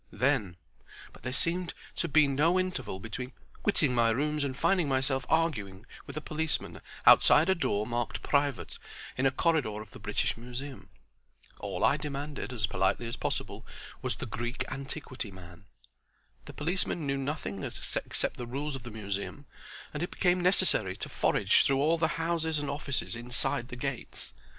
Then—but there seemed to be no interval between quitting my rooms and finding myself arguing with a policeman outside a door marked Private in a corridor of the British Museum. All I demanded, as politely as possible, was "the Greek antiquity man." The policeman knew nothing except the rules of the Museum, and it became necessary to forage through all the houses and offices inside the gates.